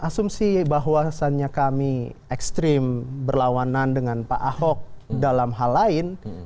jika keaduan pemerintah yang menyebabkan kekerasan kami ekstrim berlawanan dengan pak ahok dalam hal lain